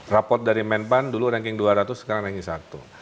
raport dari menpan dulu ranking dua ratus sekarang ranking satu